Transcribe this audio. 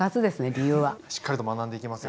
しっかりと学んでいきますよ。